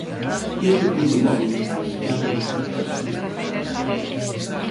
Neste punto móbil estanse a realizar unhas mil probas diarias.